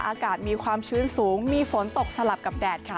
อากาศมีความชื้นสูงมีฝนตกสลับกับแดดค่ะ